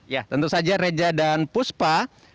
ya tentu saja reza dan puspa